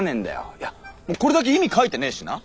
いやもうこれだけ意味書いてねーしな。